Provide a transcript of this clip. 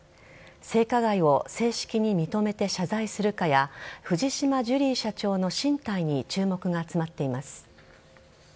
性加害を正式に認めて謝罪するかや藤島ジュリー社長の進退に注目が集まっています。